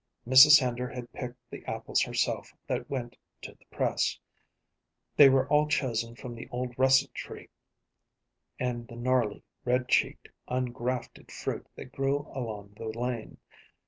Mrs. Hender had picked the apples herself that went to the press; they were all chosen from the old russet tree and the gnarly, red cheeked, ungrafted fruit that grew along the lane.